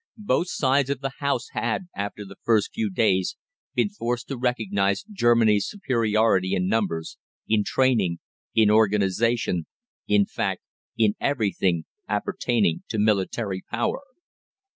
Both sides of the House had, after the first few days, been forced to recognise Germany's superiority in numbers, in training, in organisation in fact in everything appertaining to military power.